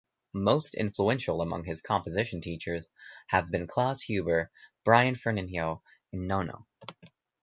Most influential among his composition teachers have been Klaus Huber, Brian Ferneyhough, and Nono.